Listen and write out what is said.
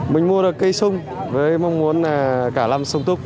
mình mua được cây sung với mong muốn cả làm sông tục